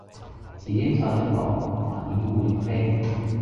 只應守寂寞，還掩故園扉。